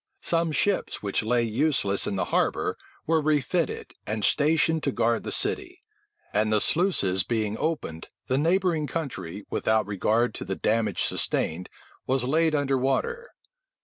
Some ships which lay useless in the harbor, were refitted, and stationed to guard the city; and the sluices being opened, the neighboring country, without regard to the damage sustained, was laid under water.